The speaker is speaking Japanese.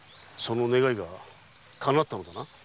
その願いがかなったのだな。